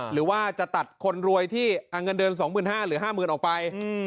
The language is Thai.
หรือว่าจะตัดคนรวยที่เงินเดือน๒๕๐๐หรือ๕๐๐ออกไป